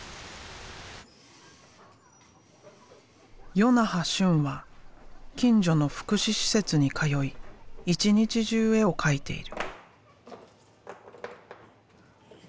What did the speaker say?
与那覇俊は近所の福祉施設に通い一日中絵を描いている。